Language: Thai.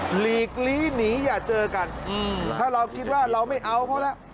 หลีกลี้หนีอย่าเจอกันถ้าเราคิดว่าเราไม่เอาเขาแล้ว